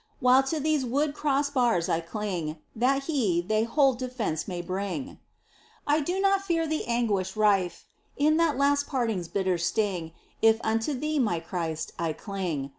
While to these wood cross bars I cling. That He they hold defence may bring ! I do not fear the anguish rife In that last parting's bitter sting If unto Thee, my Christ, I cling.